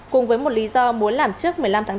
cùng với một lý do muốn làm trước một mươi năm tháng bốn